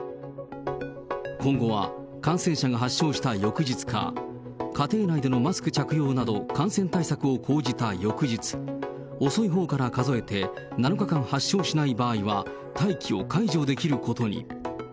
今後は感染者が発症した翌日か、家庭内でのマスク着用など、感染対策を講じた翌日、遅いほうから数えて７日間発症しない場合は、待機を解除できることに。